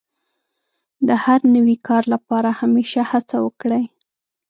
د هر نوي کار لپاره همېشه هڅه وکړئ.